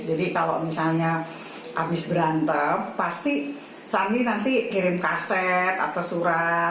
jadi kalau misalnya habis berantem pasti sandi nanti kirim kaset atau surat